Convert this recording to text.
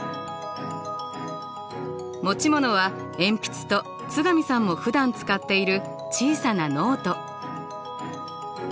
持ち物は鉛筆と津上さんもふだん使っている小さなノート。